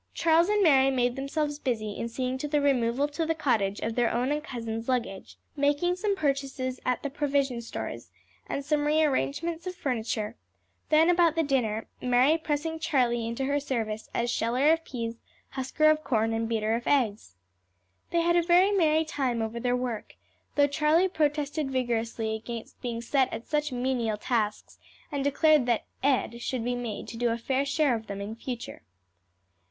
Charles and Mary made themselves busy in seeing to the removal to the cottage of their own and cousin's luggage, making some purchases at the provision stores, and some rearrangements of furniture; then about the dinner, Mary pressing Charlie into her service as sheller of peas, husker of corn, and beater of eggs. They had a very merry time over their work, though Charlie protested vigorously against being set at such menial tasks, and declared that "Ed" should be made to do a fair share of them in future.